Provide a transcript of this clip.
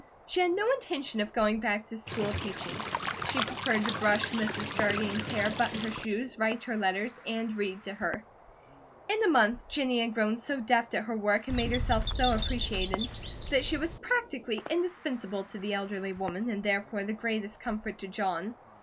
She had no intention of going back to school teaching. She preferred to brush Mrs. Jardine's hair, button her shoes, write her letters, and read to her. In a month, Jennie had grown so deft at her work and made herself so appreciated, that she was practically indispensable to the elderly woman, and therefore the greatest comfort to John.